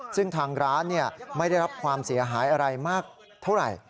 ซึ่งทางร้านไม่ได้รับความเสียหายอะไรมากเท่าไหร่